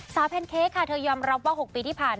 แพนเค้กค่ะเธอยอมรับว่า๖ปีที่ผ่าน